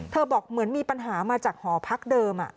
บอกเหมือนมีปัญหามาจากหอพักเดิม